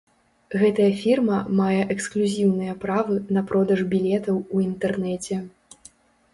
Гэтая фірма мае эксклюзіўныя правы на продаж білетаў у інтэрнэце.